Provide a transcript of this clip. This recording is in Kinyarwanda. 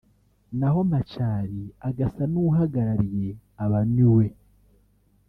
naho Machar agasa n’uhagarariye aba-Nuer